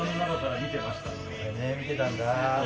見てたんだ。